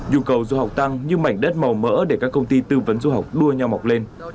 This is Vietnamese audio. nhu cầu du học tăng như mảnh đất màu mỡ để các công ty tư vấn du học đua nhau mọc lên